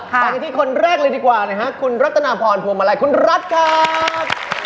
ไปกันที่คนแรกเลยดีกว่านะฮะคุณรัตนาพรพวงมาลัยคุณรัฐครับ